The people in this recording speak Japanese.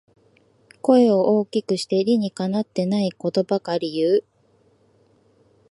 声を大きくして理にかなってないことばかり言う